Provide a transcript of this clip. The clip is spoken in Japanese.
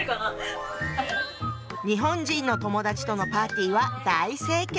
日本人の友達とのパーティーは大盛況。